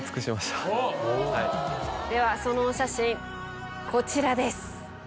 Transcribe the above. ではそのお写真こちらです。